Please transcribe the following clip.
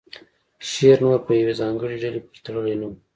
شعر نور په یوې ځانګړې ډلې پورې تړلی نه و